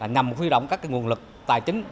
nhằm khuy động các nguồn lực tài chính